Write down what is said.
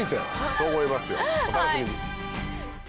そう思いますよお楽しみに。